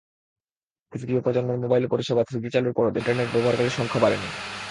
তৃতীয় প্রজন্মের মোবাইল পরিষেবা থ্রিজি চালুর পরও দেশে ইন্টারনেট ব্যবহারকারীর সংখ্যা বাড়েনি।